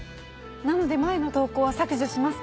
なので前の投稿は削除します